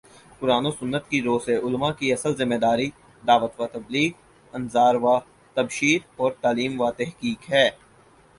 قرآن و سنت کی رو سے علما کی اصل ذمہ داری دعوت و تبلیغ، انذار و تبشیر اور تعلیم و تحقیق ہے